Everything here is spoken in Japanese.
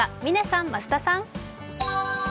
嶺さん、増田さん。